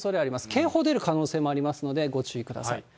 警報出る可能性もありますので、ご注意ください。